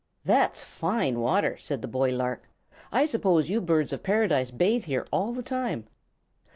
"That's fine water," said the boy lark. "I suppose you Birds of Paradise bathe here all the time."